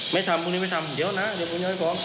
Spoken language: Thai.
ไม่ทำพรุ่งนี้ไม่ทำเดี๋ยวนะเดี๋ยวพรุ่งนี้ไม่พร้อม